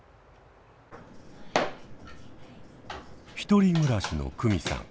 １人暮らしの久美さん。